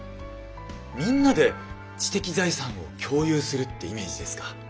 みんなで知的財産を共有するってイメージですか。